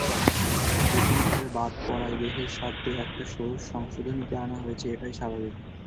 যেকোনোভাবে বাদ পড়ায় দেশের স্বার্থে এটা ষোড়শ সংশোধনীতে আনা হয়েছে, এটাই স্বাভাবিক।